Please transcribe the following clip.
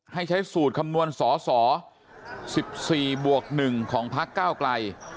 ให้ใช้สูตรคำนวณสอสอ๑๔บวก๑ของพักก้าวไกล